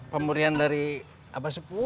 pemulihan dari aba sepuh